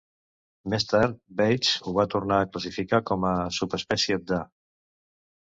Més tard, Bates ho va tornar a classificar com a una subespècies de "".